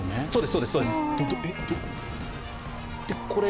そうです、そうです。